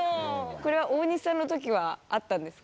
これは大西さんの時はあったんですか？